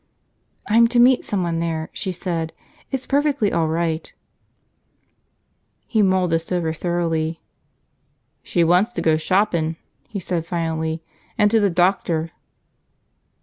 "I'm to meet someone there," she said. "It's perfectly all right." He mulled this over thoroughly. "She wants to go shoppin'," he said finally. "And to the doctor."